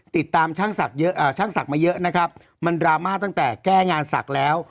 ติดตามช่างศักดิ์มาเยอะนะครับมันดราม่าตั้งแต่แก้งานศักดิ์แล้ว